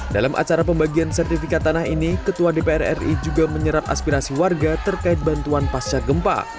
dalam acara pembagian sertifikat tanah ini ketua dpr ri juga menyerap aspirasi warga terkait bantuan pasca gempa